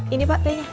ini buat pen ya